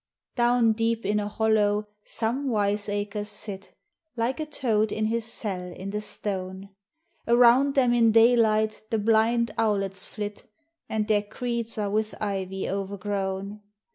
Down deep in a hollow some wiseacres sit, Like a toad in his cell in the stone ; Around them in daylight the ]blind owlets flit, And their creeds are with ivy o'ergrown; — 236 THE HIGHER LIFE.